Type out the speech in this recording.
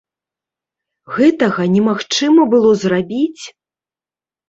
Гэтага немагчыма было зрабіць?